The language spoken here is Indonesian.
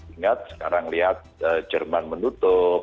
ingat sekarang lihat jerman menutup